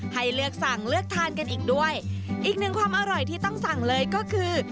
ให้เลือกสั่งเลือกทานกันอีกด้วยอีกหนึ่งความอร่อยที่ต้องสั่งเลยก็คือ